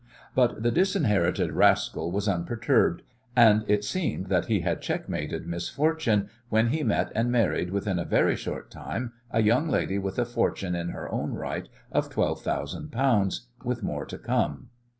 But the disinherited rascal was unperturbed, and it seemed that he had checkmated misfortune when he met and married within a very short time a young lady with a fortune in her own right of twelve thousand pounds, with more to come.